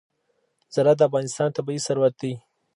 زراعت د افغانستان طبعي ثروت دی.